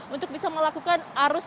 untuk bisa melakukan